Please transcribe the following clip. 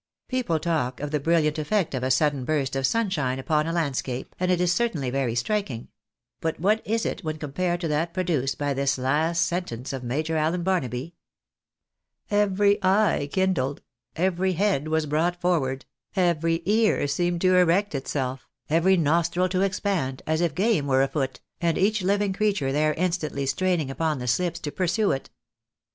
People talk of the brilliant effect of a sudden burst of sunshine upon a landscape, and it is certainly very striking ; but what is it when compared to that produced by this last sentence of Major Allen Barnaby ? Every eye kindled ; every head was brought forward ; every ear seemed to erect itself ; every nostril to expand, as if game were afoot, and each Uving creature there instantly straining upon the slips to pursue it.